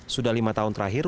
sudah lima tahun terakhir